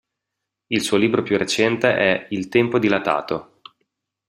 Il suo libro più recente è "Il tempo dilatato.